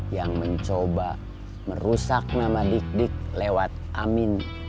yang mencoba merusak nama dik dik lewat amin